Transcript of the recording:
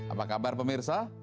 apa kabar pemirsa